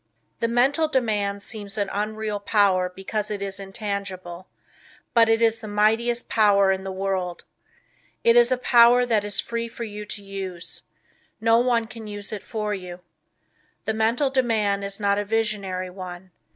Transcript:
The Mental Demand seems an unreal power because it is intangible; but it is the mightiest power in the world. It is a power that is free for you to use. No one can use it for you. The Mental Demand is not a visionary one.